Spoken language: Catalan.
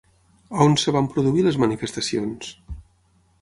On es van produir les manifestacions?